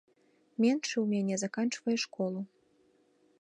Меншы ў мяне заканчвае школу.